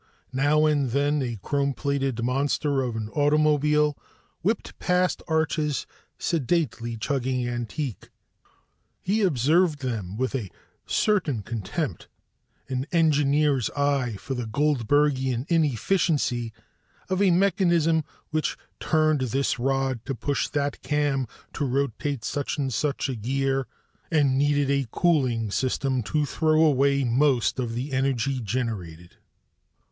Now and then a chrome plated monster of an automobile whipped past Arch's sedately chugging antique. He observed them with a certain contempt, an engineer's eye for the Goldbergian inefficiency of a mechanism which turned this rod to push that cam to rotate such and such a gear, and needed a cooling system to throw away most of the energy generated.